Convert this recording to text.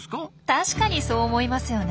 確かにそう思いますよね。